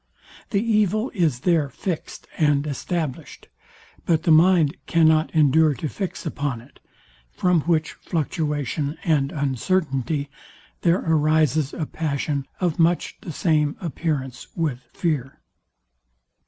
The evil is there fixed and established, but the mind cannot endure to fix upon it; from which fluctuation and uncertainty there arises a passion of much the same appearance with fear.